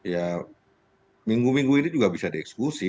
ya minggu minggu ini juga bisa dieksekusi